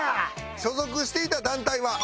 所属していた団体は？